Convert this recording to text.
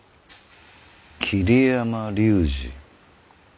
「桐山竜二」